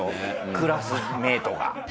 クラスメートが。